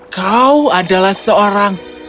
kau adalah seorang